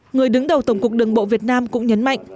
người đứng đầu tổng cục đường bộ việt nam cũng nhấn mạnh